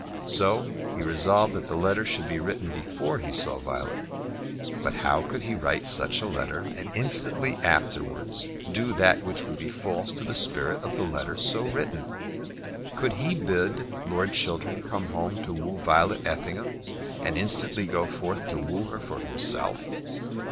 So he resolved that the letter should be written before he saw Violet. But how could he write such a letter and instantly afterwards do that which would be false to the spirit of a letter so written? Could he bid Lord Chiltern come home to woo Violet Effingham, and instantly go forth to woo her for himself?